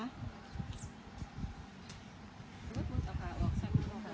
พี่ตุ๊กพี่หมูผ่าเจ้าของมา